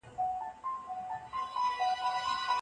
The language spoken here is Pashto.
د کولمو میکروبونه له هوا ژوندي نه پاتې کېږي.